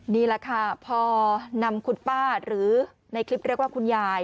นี่แหละค่ะพอนำคุณป้าหรือในคลิปเรียกว่าคุณยาย